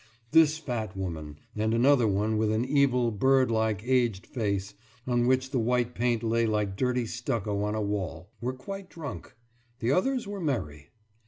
This fat woman, and another one with an evil bird like aged face, on which the white paint lay like dirty stucco on a wall, were quite drunk; the others were merry.